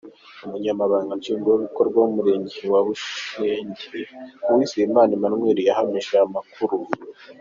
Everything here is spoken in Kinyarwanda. Umunyamabanga nshingwabikorwa w’umurenge wa bushenge, Uwizeyimana Emmanuel yahamije aya makuru.